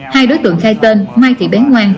hai đối tượng khai tên mai thị bén hoàng